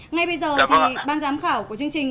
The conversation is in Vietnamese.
ngay bây giờ thì ban giám khảo của chương trình